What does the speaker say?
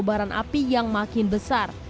kebaran api yang makin besar